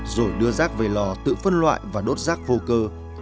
rồi đưa rác về lò tự phân loại và đốt rác vô cơ